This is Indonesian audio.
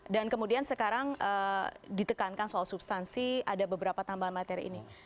dan kemudian sekarang ditekankan soal substansi ada beberapa tambahan materi ini